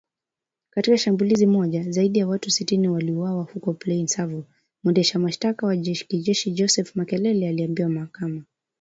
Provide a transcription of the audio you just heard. Katika shambulizi moja, zaidi ya watu sitini waliuwawa huko Plaine Savo, mwendesha mashtaka wa kijeshi Joseph Makelele aliiambia mahakama.